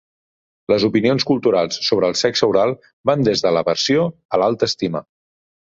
Les opinions culturals sobre el sexe oral van des de l'aversió a l'alta estima.